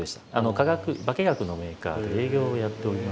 化学化学のメーカーで営業をやっておりまして。